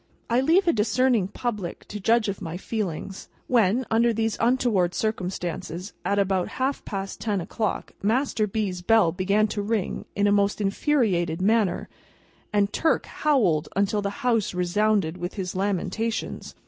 I leave a discerning public to judge of my feelings, when, under these untoward circumstances, at about half past ten o'clock Master B.'s bell began to ring in a most infuriated manner, and Turk howled until the house resounded with his lamentations!